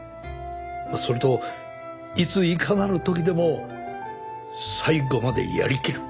それといついかなる時でも最後までやりきる。